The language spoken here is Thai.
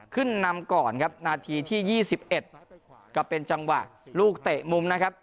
ขึ้นนำก่อนครับนาทีที่๒๑ก็เป็นจังหวะลูกเตะมุมนะครับ